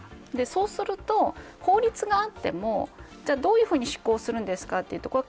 そうすると法律があってもどういうふうに施行するんですかというところ。